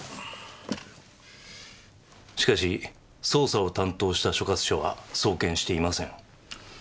しかし捜査を担当した所轄署は送検していません。